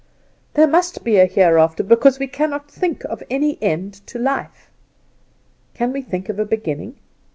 There must be a Hereafter because we cannot think of any end to life. Can we think of a beginning?